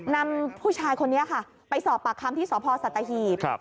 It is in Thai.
นำผู้ชายคนนี้ค่ะไปสอบปากคำที่สพสัตหีบ